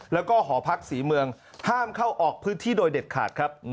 แล้วก็หอพักศรีเมืองห้ามเข้าออกพื้นที่โดยเด็ดขาดครับ